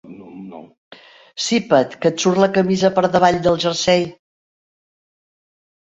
Sipa't, que et surt la camisa per davall del jersei.